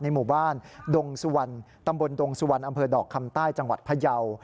ในหมู่บ้านตำบลดงสุวรรณอำเภอดอกคำใต้จังหวัดพยาว